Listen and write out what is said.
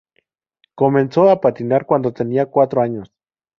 Comenzó a patinar cuando tenía cuatro años.